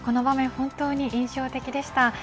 本当に印象的でした。